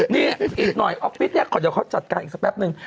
นี่อีกหน่อยออฟฟิศเนี่ยเดี๋ยวเขาจัดการอีกสักแป๊บนึง